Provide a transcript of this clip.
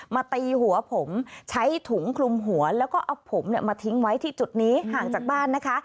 ตีหัวผมใช้ถุงคลุมหัวแล้วก็เอาผมมาทิ้งไว้ที่จุดนี้ห่างจากบ้านนะคะ